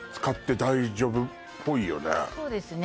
そうですね